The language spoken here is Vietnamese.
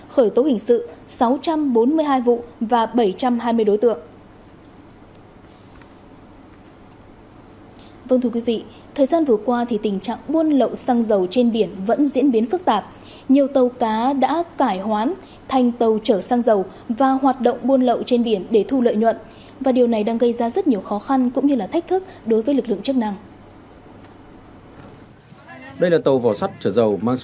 khởi tố hình sự sáu trăm bốn mươi hai vụ và bảy trăm hai mươi đối tượng